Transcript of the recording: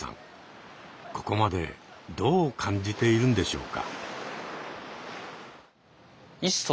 ここまでどう感じているんでしょうか？